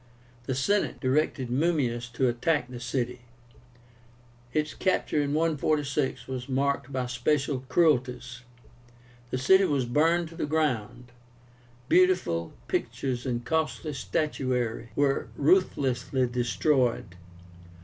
The Senate directed Mummius to attack the city. Its capture in 146 was marked by special cruelties. The city was burned to the ground; beautiful pictures and costly statuary were ruthlessly destroyed.